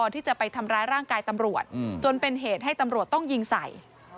ที่จะไปทำร้ายร่างกายตำรวจจนเป็นเหตุให้ตำรวจต้องยิงใส่